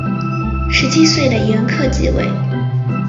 十七岁的元恪即位。